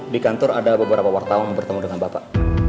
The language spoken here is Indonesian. di kantor ada beberapa wartawan bertemu dengan bapak